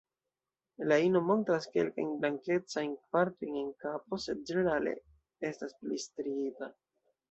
La ino montras kelkajn blankecajn partojn en kapo, sed ĝenerale estas pli striita.